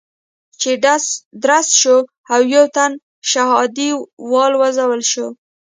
چې درز شو او يو تن شهادي والوزول شو.